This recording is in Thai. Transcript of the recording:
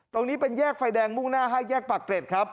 ตรงนี้เป็นแยกไฟแดงมุ่งหน้า๕แยกปากเกร็ดครับ